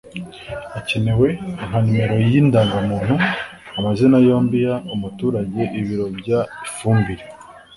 akenewe nka nomero y indangamuntu amazina yombi y umuturage ibiro by ifumbire